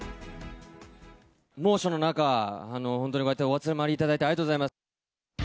猛暑の中、本当にこうやってお集まりいただいてありがとうございます。